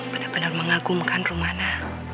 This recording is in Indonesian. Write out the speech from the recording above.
bener bener mengagumkan rumana